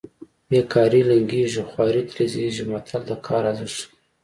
بې کاري لنګېږي خواري ترې زېږېږي متل د کار ارزښت ښيي